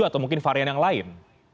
atau mungkin varian yang lain